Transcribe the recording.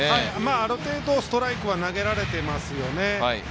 ある程度ストライクは投げられていますね。